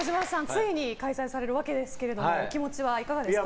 ついに開催されるわけですがお気持ちはいかがですか？